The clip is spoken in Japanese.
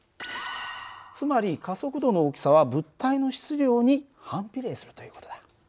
つまり加速度の大きさは物体の質量に反比例するという事だ。